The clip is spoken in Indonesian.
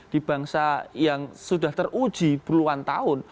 di bangsa yang sudah teruji puluhan tahun